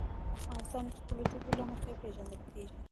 افغانستان د خپلو ژبو له مخې پېژندل کېږي.